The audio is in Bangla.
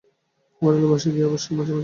বাড়িওয়ালার বাসায় গিয়ে অবশ্যি মাঝে মাঝে দেখি।